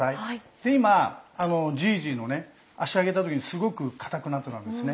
で今じいじのね脚上げた時にすごく硬くなってたんですね。